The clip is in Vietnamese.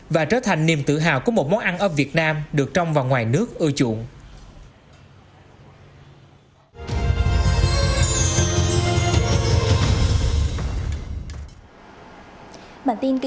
và trở thành niềm tự hào của một món ăn ở việt nam được trong và ngoài nước ưa chuộng